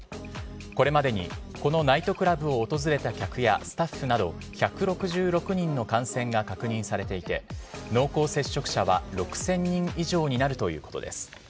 これまでにこのナイトクラブを訪れた客やスタッフなど１６６人の感染が確認されていて、濃厚接触者は６０００人以上になるということです。